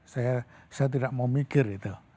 saya tidak mau mikir itu